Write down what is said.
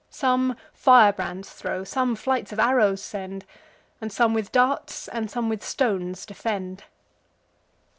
Some firebrands throw, some flights of arrows send; And some with darts, and some with stones defend.